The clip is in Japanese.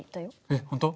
えっ本当？